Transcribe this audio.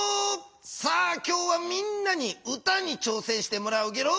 さあ今日はみんなに歌にちょうせんしてもらうゲロ。